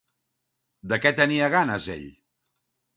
De què tenia ganes ell?